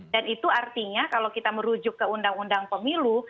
dan itu artinya kalau kita merujuk ke undang undang pemilu